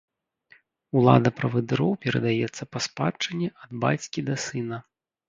Улада правадыроў перадаецца па спадчыне ад бацькі да сына.